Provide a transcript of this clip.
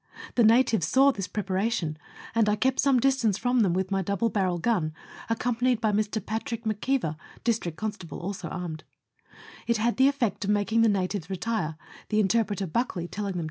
The natives saw this preparation, and I kept some distance from them with my double barrel gun, accompanied by Mr. Patrick McKeever, district con stable, also armed ; it had the effect of making the natives retire, the interpreter Buckley telling them to do so.